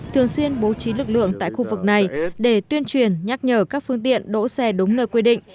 thường xuyên bố trí lực lượng tại khu vực này để tuyên truyền nhắc nhở các phương tiện đỗ xe đúng nơi quy định